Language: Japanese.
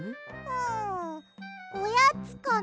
んおやつかな。